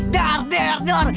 dar dar dar